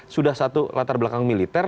sudah satu latar belakang militer